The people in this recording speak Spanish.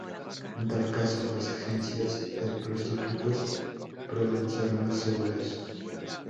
En tal caso, las agencias de prostitutos prueban ser más seguras.